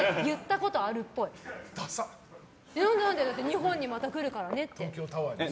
日本にまた来るからねって。